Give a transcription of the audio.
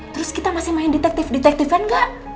terus kita masih main detektif detektifan gak